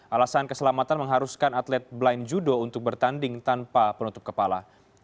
alasan keselamatan mengharuskan atlet blind judo untuk bertanding tanpa penutup kepala